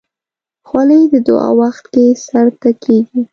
خولۍ د دعا وخت کې سر ته کېږي.